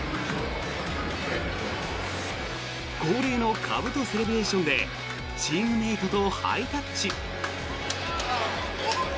恒例のかぶとセレブレーションでチームメートとハイタッチ。